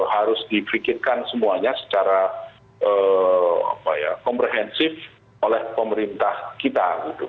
harus difikirkan semuanya secara komprehensif oleh pemerintah kita